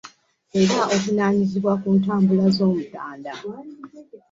Era avunaanyizibwa ku ntambula z'omutanda